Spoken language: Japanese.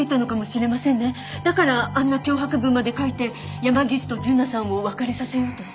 だからあんな脅迫文まで書いて山岸と純奈さんを別れさせようとした。